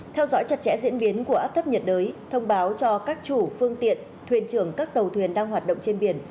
theo dõi chặt chẽ diễn biến của áp thấp nhiệt đới thông báo cho các chủ phương tiện thuyền trưởng các tàu thuyền đang hoạt động trên biển